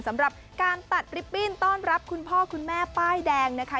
สำหรับการตัดลิปปิ้นต้อนรับคุณพ่อคุณแม่ป้ายแดงนะคะ